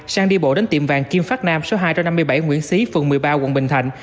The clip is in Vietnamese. sang đi bộ đến tiệm vàng kim phát nam số hai trăm năm mươi bảy nguyễn xí phường một mươi ba quận bình thạnh